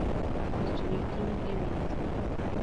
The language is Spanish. Estudió química y medicina.